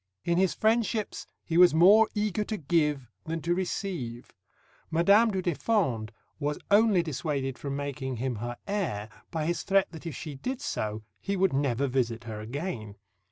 In his friendships he was more eager to give than to receive. Madame du Deffand was only dissuaded from making him her heir by his threat that if she did so he would never visit her again.